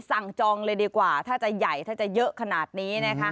จองเลยดีกว่าถ้าจะใหญ่ถ้าจะเยอะขนาดนี้นะคะ